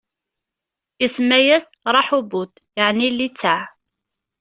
Isemma-yas Raḥubut, yeɛni litteɛ;